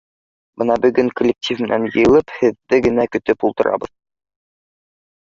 — Бына бөгөн коллектив менән йыйылып, һеҙҙе генә көтөп ултырабыҙ.